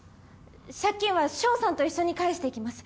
借金は翔さんと一緒に返していきます。